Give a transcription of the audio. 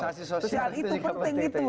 sanksi sosial itu penting gitu